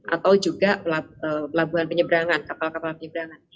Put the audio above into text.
atau juga pelabuhan penyebrangan kapal kapal penyebrangan